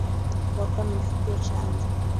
Kuwapa mifugo chanjo